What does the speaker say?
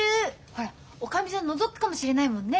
ほらおかみさんのぞくかもしれないもんね。